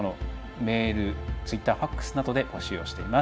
メール、ツイッターＦＡＸなどで募集しています。